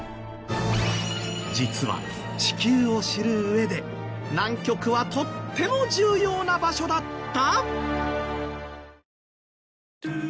実は地球を知る上で南極はとっても重要な場所だった！？